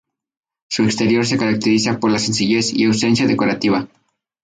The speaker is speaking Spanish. Su exterior se caracteriza por la sencillez y ausencia decorativa.